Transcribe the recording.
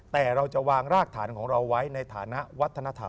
แต่เราจะวางรากฐานของเราไว้ในฐานะวัฒนธรรม